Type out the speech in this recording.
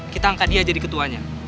kita angkat dia jadi ketuanya